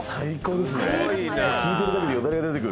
最高ですね。